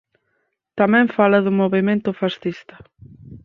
Tamén fala do movemento fascista.